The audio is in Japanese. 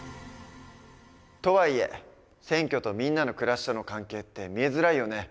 とはいえ選挙とみんなの暮らしとの関係って見えづらいよね。